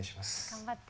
頑張って。